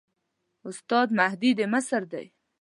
استاد مهدي د مصر دی.